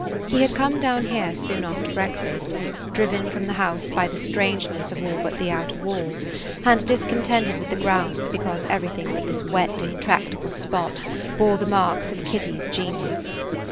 He had come down here soon after breakfast, driven from the house by the strangeness of all but the outer walls, and discontented with the grounds because everything but this wet, intractable spot bore the marks of Kitty's genius.